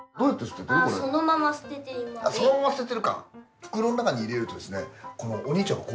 そのまま捨ててるか。